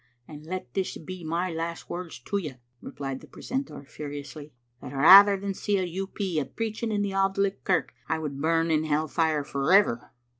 "And let this be my last words to you," replied the precentor, furiously; "that rather than see a U. P. preaching in the Auld Licht kirk I would bum in hell fire for ever!"